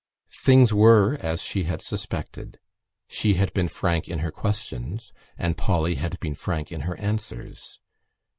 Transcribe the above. Things were as she had suspected: she had been frank in her questions and Polly had been frank in her answers.